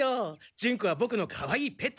ジュンコはボクのかわいいペットです。